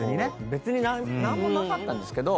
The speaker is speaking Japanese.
別に何もなかったんですけど。